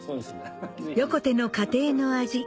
横手の家庭の味